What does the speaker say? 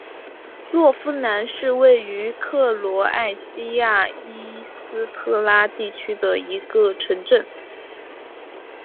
洛夫兰是位于克罗埃西亚伊斯特拉地区的一个城镇。